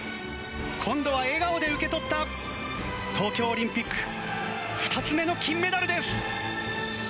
今度は笑顔で受け取った東京オリンピック２つ目の金メダルです。